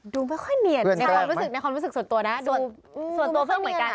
ดูไม่ค่อยเหนียนในความรู้สึกส่วนตัวนะดูไม่ค่อยเหนียนค่ะ